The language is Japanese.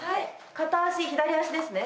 片足左足ですね